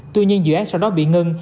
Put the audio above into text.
tuy nhiên dự án sau đó bị ngưng